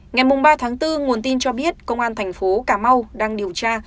ngày ba tháng bốn nguồn tin cho biết công an thành phố cà mau đang điều tra